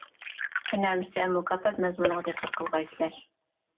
قېنى ئەمىسە مۇكاپات مەزمۇنىغا دىققەت قىلغايسىلەر.